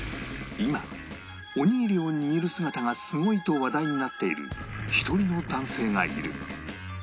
今おにぎりを握る姿がすごいと話題になっている一人の男性がいる